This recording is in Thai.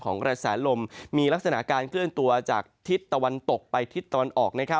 นักสนาการเคลื่อนตัวจากทิศตะวันตกไปทิศตะวันออก